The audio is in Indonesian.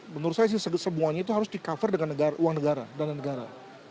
menurut saya semuanya itu harus di cover dengan uang negara dana negara